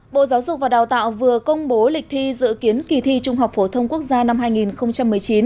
bộ giáo dục và đào tạo vừa công bố lịch thi dự kiến kỳ thi trung học phổ thông quốc gia năm hai nghìn một mươi chín